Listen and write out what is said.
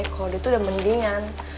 kalau dia tuh udah mendingan